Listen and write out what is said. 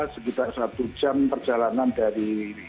sekitar satu jam perjalanan dari